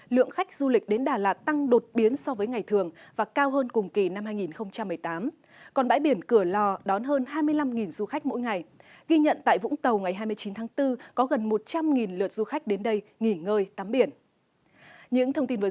lượng khách du lịch đến đà lạt tăng đột biệt